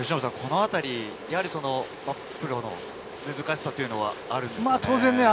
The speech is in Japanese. このあたり、難しさというのはあるんですか？